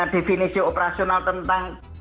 definisi operasional tentang